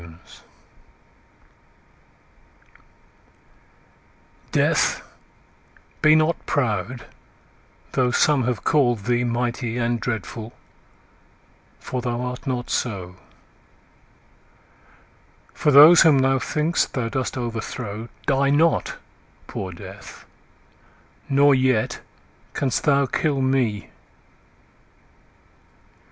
Death DEATH, be not proud, though some have callèd thee Mighty and dreadful, for thou art not so: For those whom thou think'st thou dost overthrow Die not, poor Death; nor yet canst thou kill me.